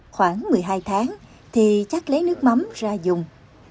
khoảng một mươi hai tháng thì chắc lấy nước mắm ra dùng